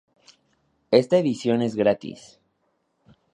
Esta edición es gratis.